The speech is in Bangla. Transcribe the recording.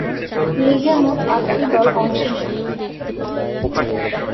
লীগে মোট আটটি দল অংশ নেবে।